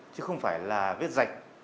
chứ không phải là vết sạch